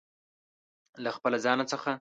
له خپل ځانه څخه